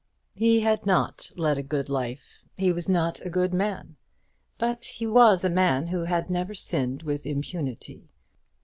He had not led a good life. He was not a good man. But he was a man who had never sinned with impunity.